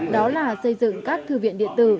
đó là xây dựng các thư viện điện tử